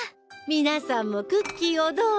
皆さんもクッキーをどうぞ。